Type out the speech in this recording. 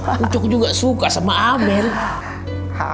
ucok juga suka sama amelia